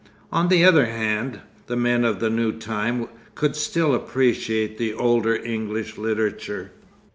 On the other hand, the men of the new time could still appreciate the older English literature....